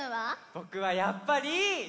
ぼくはやっぱり。